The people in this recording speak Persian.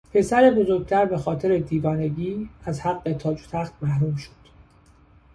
پسر بزرگتر به خاطر دیوانگی از حق تاج و تخت محروم شد.